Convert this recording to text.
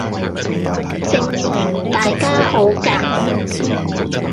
證明大家好夾